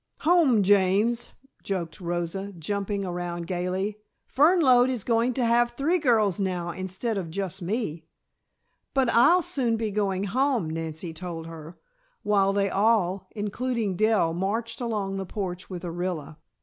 "Home, James!" joked Rosa, jumping around gayly. "Fernlode is going to have three girls now instead of just me." "But I'll soon be going home," Nancy told her, while they all, including Dell, marched along the porch with Orilla.